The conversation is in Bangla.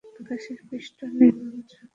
আকাশের পৃষ্ঠ নির্মল চমৎকার।